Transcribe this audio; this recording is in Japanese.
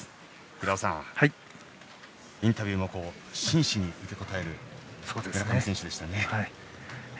平尾さん、インタビューも真摯に受け答える村上選手でしたね。